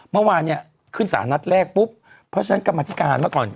เมื่อวานเนี่ยขึ้นสารนัดแรกปุ๊บเพราะฉะนั้นกรรมธิการเมื่อก่อน